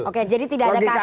oke jadi tidak ada kasus